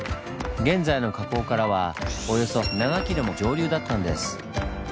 現在の河口からはおよそ７ｋｍも上流だったんです。